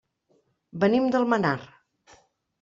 Venim d'Almenar.